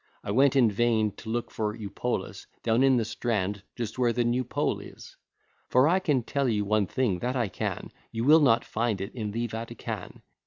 I went in vain to look for Eupolis Down in the Strand, just where the New Pole is; For I can tell you one thing, that I can, You will not find it in the Vatican.